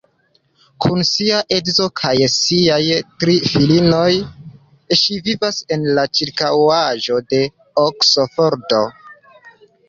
Kun sia edzo kaj siaj tri filinoj ŝi vivas en la ĉirkaŭaĵo de Oksfordo.